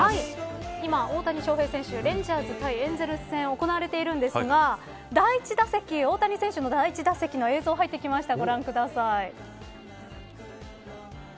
今、大谷翔平選手レンジャーズ対エンゼルス戦が行われているんですが第１打席、大谷選手の映像が入ってきました。